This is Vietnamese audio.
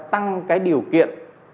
tăng cái điều kiện